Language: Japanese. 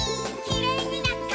「きれいになったね」